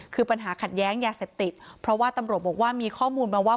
คือปัญหาขัดแย้งยาเสพติดเพราะว่าตำรวจบอกว่ามีข้อมูลมาว่า